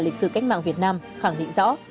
từ cách mạng việt nam khẳng định rõ